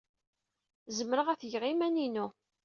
Zemreɣ ad t-geɣ i yiman-inu.